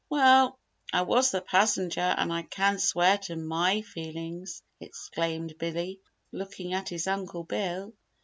"Well, I was the passenger and I can swear to my feelings," exclaimed Billy, looking at his Uncle Bill.